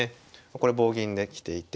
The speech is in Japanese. これ棒銀できていて。